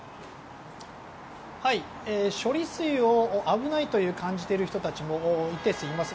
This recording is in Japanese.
処理水を危ないと感じている人も一定数います。